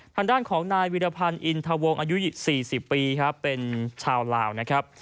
ทางด้านของนายวิรพันธ์อินทวงอายุ๔๐ปีครับเป็นชาวลาวนะครับ